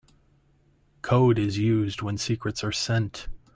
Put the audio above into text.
Code is used when secrets are sent.